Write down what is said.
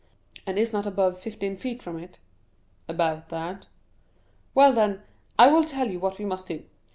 "And is not above fifteen feet from it?" "About that." "Well, then, I will tell you what we must do.